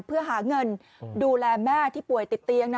เพื่อหาเงินดูแลแม่ที่ป่วยติดเตียง